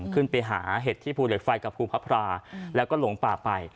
ขึ้นไปหาเห็ดที่ภูเหล็กไฟกับภูพราแล้วก็หลงป่าไป